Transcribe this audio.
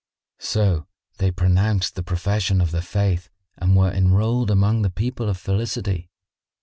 So they pronounced the profession of the Faith and were enrolled among the people of felicity.